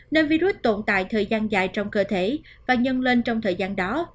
nơi virus tồn tại thời gian dài trong cơ thể và nhân lên trong thời gian đó